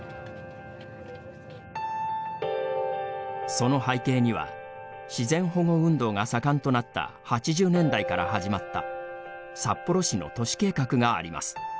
その背景には自然保護運動が盛んとなった８０年代から始まった札幌市の都市計画があります。